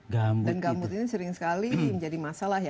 gambut ini sering sekali menjadi masalah ya